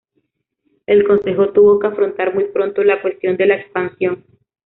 El Consejo tuvo que afrontar muy pronto la cuestión de la expansión.